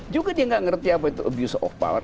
juga dia nggak ngerti apa itu abuse of power